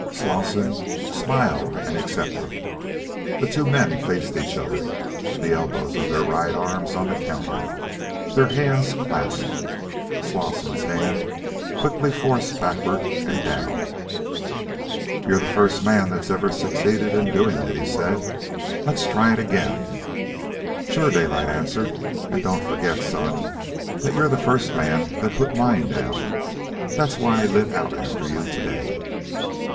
Slosson smiled and accepted. The two men faced each other, the elbows of their right arms on the counter, the hands clasped. Slosson's hand quickly forced backward and down. "You're the first man that ever succeeded in doing it," he said. "Let's try it again." "Sure," Daylight answered. "And don't forget, son, that you're the first man that put mine down. That's why I lit out after you to day."